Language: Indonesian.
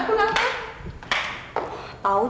kok terlambat pun aku